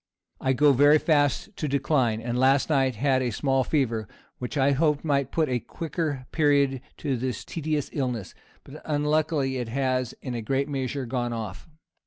"I go very fast to decline, and last night had a small fever, which I hoped might put a quicker period to this tedious illness; but unluckily it has, in a great measure, gone off.